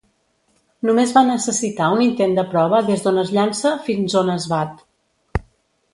Només va necessitar un intent de prova des d'on es llança fins on es bat.